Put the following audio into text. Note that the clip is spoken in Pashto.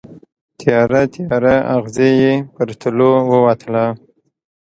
تیاره، تیاره اغزې یې تر تلو ووتله